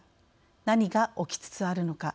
何が起きつつあるのか。